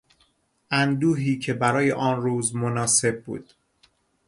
اندوهی که برای آن روز مناسب بود